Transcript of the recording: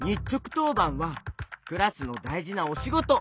とうばんはクラスのだいじなおしごと。